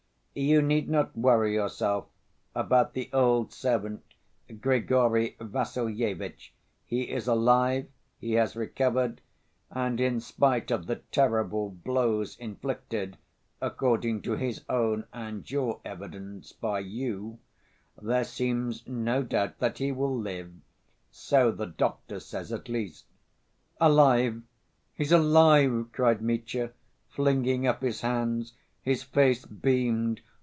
"You need not worry yourself about the old servant, Grigory Vassilyevitch. He is alive, he has recovered, and in spite of the terrible blows inflicted, according to his own and your evidence, by you, there seems no doubt that he will live, so the doctor says, at least." "Alive? He's alive?" cried Mitya, flinging up his hands. His face beamed.